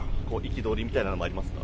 憤りみたいなものはありますか？